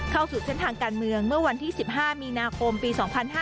เข้าสู่เส้นทางการเมืองเมื่อวันที่๑๕มีนาคมปี๒๕๕๙